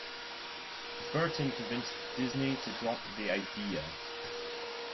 Burton convinced Disney to drop the idea.